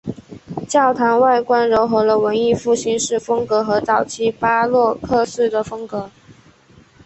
教堂外观揉合了文艺复兴式风格和早期巴洛克式风格。